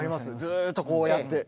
ずっとこうやって。